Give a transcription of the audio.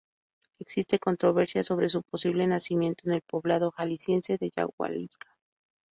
Existe controversia sobre su posible nacimiento en el poblado jalisciense de Yahualica.